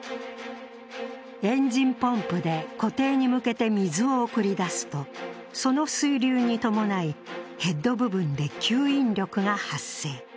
エンジンポンプで湖底に向けて水を送り出すとその水流に伴い、ヘッド部分で吸引力が発生。